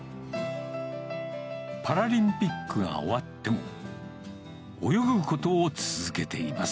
パラリンピックが終わっても、泳ぐことを続けています。